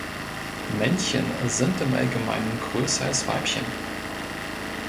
Männchen sind im Allgemeinen größer als Weibchen.